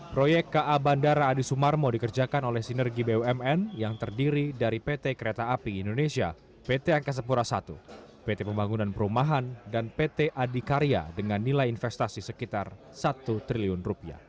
proyek ka bandara adi sumarmo dikerjakan oleh sinergi bumn yang terdiri dari pt kereta api indonesia pt angkasa pura i pt pembangunan perumahan dan pt adikarya dengan nilai investasi sekitar rp satu triliun